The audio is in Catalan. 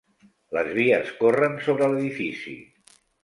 Les vies corren sobre l'edifici.